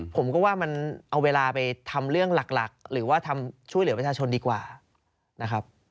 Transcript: ผมก็ว่ามันเอาเวลาไปทำเรื่องหลักหรือว่าช่วยเหลือประชาชนดีกว่านะครับ